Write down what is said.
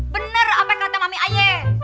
bener apa yang kata mami ayah